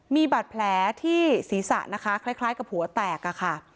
มีบาดแผลที่ศีรษะนะคะคล้ายกับหัวแตกอะค่ะ